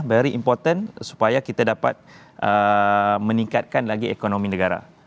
very important supaya kita dapat meningkatkan lagi ekonomi negara